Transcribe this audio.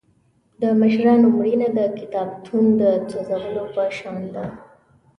د مشرانو مړینه د کتابتون د سوځولو په شان ده.